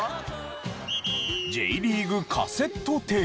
Ｊリーグカセットテープ。